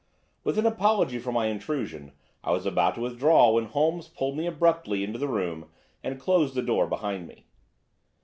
With an apology for my intrusion, I was about to withdraw when Holmes pulled me abruptly into the room and closed the door behind me.